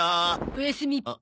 おやすみ。